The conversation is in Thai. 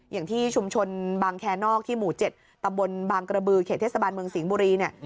อย่างที่ชุมชนบางแคนอกที่หมู่๗ตำบลบางกระบือเขตเทศบาลเมืองสิงห์บุรีเนี่ย